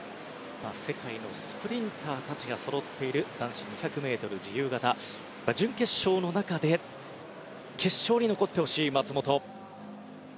世界のスプリンターたちがそろっている男子２００ｍ自由形準決勝の中で決勝に残ってほしい松元。